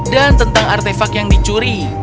dan tentang artefak yang dicuri